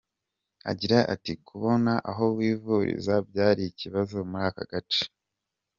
Agira ati “Kubona aho wivuriza byari ikibazo muri aka gace.